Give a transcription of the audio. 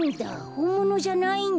ほんものじゃないんだ。